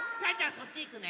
そっちいくね！